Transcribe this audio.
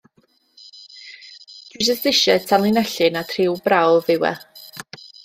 Dwi jyst isie tanlinellu nad rhyw brawf yw e.